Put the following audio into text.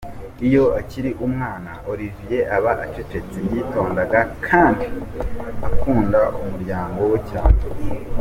Iyo akiri umwana, Olivier aba acecetse, yitonda kandi akunda umuryango we cyane.